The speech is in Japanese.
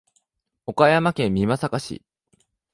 岡山県美作市